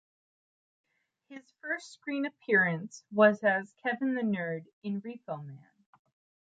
His first screen appearance was as "Kevin the Nerd" in "Repo Man".